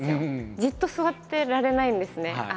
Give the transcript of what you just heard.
じっと座ってられないんですね。